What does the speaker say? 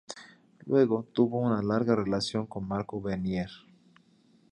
Luego tuvo una larga relación con Marco Vernier.